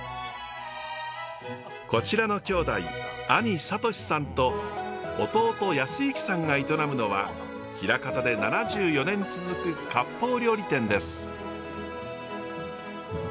こちらの兄弟兄悟史さんと弟恭之さんが営むのは枚方で７４年続く割烹料理店です。